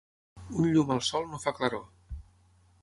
Un llum al sol no fa claror.